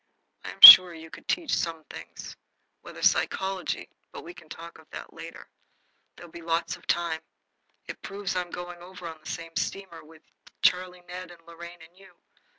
"I am sure you could teach some things. Whether psychology but we can talk of that later. There'll be lots of time. It proves I am going over on the same steamer with Charlie Ned and Lorraine and you."